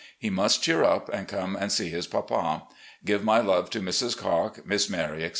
He must cheer up and come and see his papa. Give my love to Mrs. Cocke, Miss Mary, etc.